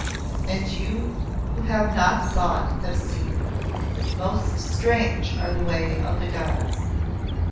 And you who have not sought have seen. Most strange are the way of the Gods'.